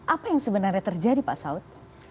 apa yang sebenarnya terjadi pak saud